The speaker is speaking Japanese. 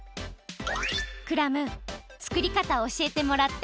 クラム作り方をおしえてもらって！